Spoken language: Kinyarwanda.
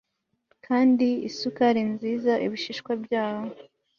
Kandi isukarinziza ibishishwa byabo